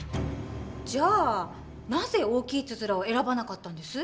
じゃあなぜ大きいつづらを選ばなかったんです？